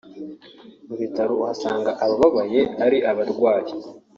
Mu bitaro uhasanga abababaye ari abarwayi